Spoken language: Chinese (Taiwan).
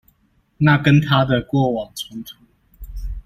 那跟他的過往衝突